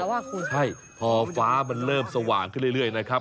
แต่ว่าคุณใช่พอฟ้ามันเริ่มสว่างขึ้นเรื่อยนะครับ